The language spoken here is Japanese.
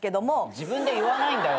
自分で言わないんだよ。